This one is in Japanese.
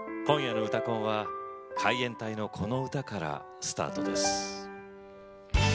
今夜の「うたコン」は海援隊のこの歌からスタートです。